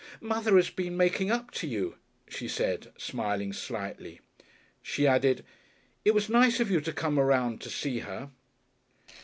"Mother has been making up to you," she said, smiling slightly. She added, "It was nice of you to come around to see her."